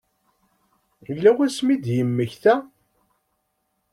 Yella wasmi i d-yemmekta?